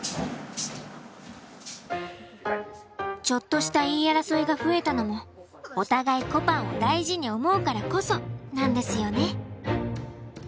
ちょっとした言い争いが増えたのもお互いこぱんを大事に思うからこそなんですよね。